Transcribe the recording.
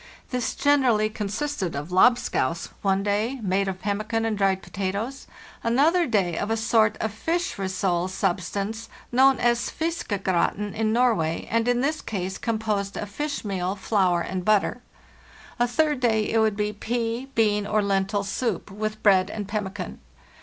This gener ally consisted of "lobscouse" one day, made of pemmi can and dried potatoes; another day of a sort of fish ris sole substance known as " fiskegratin" in Norway, and in this case composed of fish meal, flour, and butter. A WE .SAY GOOD BYE TO THE "FRAM" 145 third day it would be pea, bean, or lentil soup, with bread and pemmican.